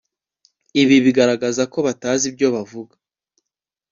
ibi bigaragaza ko batazi ibyo bavuga